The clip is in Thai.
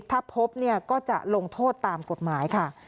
ถ้าพบเนี่ยก็จะลงโทษตามกฎหมายค่ะ